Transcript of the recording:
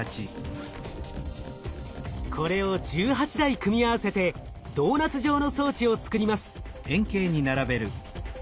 これを１８台組み合わせてドーナツ状の装置を作ります。